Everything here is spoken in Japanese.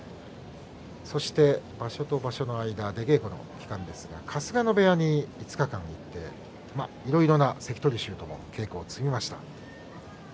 場所と場所の間、稽古の間ですが春日野部屋に５日間行っていろいろな関取衆とも稽古を積みました。